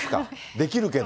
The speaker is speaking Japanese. できるけど。